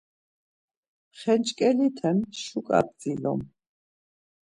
Xenç̌ǩelite şuǩa p̆tzilum.